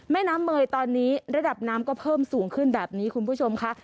แม่น้ำเมยตอนนี้ระดับน้ำก็เพิ่มสูงขึ้นแบบนี้คุณผู้ชมค่ะ